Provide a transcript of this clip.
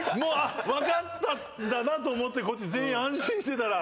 分かったんだなと思ってこっち全員安心してたら。